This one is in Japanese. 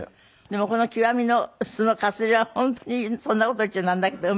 でもこの「極」のそのかすれは本当にそんな事言っちゃなんだけど。